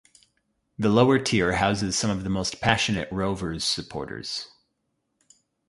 The lower tier houses some of the most passionate Rovers supporters.